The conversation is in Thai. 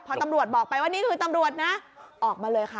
พอตำรวจบอกไปว่านี่คือตำรวจนะออกมาเลยค่ะ